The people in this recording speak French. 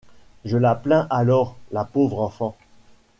Je la plains alors, la pauvre enfant !